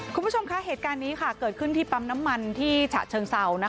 คุณผู้ชมคะเหตุการณ์นี้เกิดขึ้นที่ปั๊มน้ำมันที่ฉะเชิงเศร้า